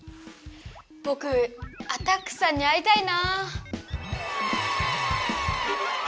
ぼくアタックさんに会いたいなあ。